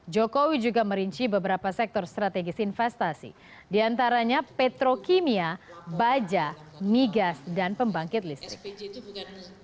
jokowi juga merinci beberapa sektor strategis investasi diantaranya petrokimia baja migas dan pembangkit listrik